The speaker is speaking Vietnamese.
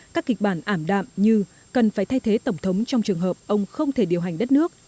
các kịch bản ảm đạm như cần phải thay thế tổng thống trong trường hợp ông không thể điều hành đất nước